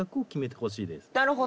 なるほど。